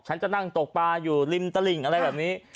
ฉันจะนั่งตกปลาอยู่ริมตลิ่งอะไรแบบนี้